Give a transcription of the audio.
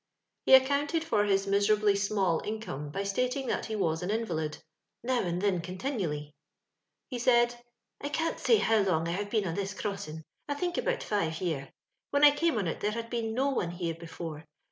He accoimted for his miserably small in come by stating that he was an invalid — "now and thin continually." He said —" I can't say how long I have been on this crossin'; I think about five year. When I came on it there had been no one here before.